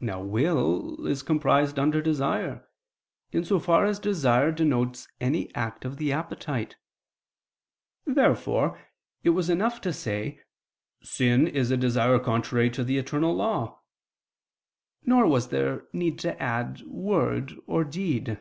Now will is comprised under desire, in so far as desire denotes any act of the appetite. Therefore it was enough to say: "Sin is a desire contrary to the eternal law," nor was there need to add "word" or "deed."